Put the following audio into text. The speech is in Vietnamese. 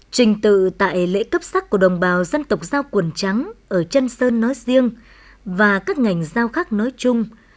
trình tự tại lễ cấp sắc của đồng bào dân tộc giao quần trắng ở trân sơn nói riêng và các ngành giao khác nói chung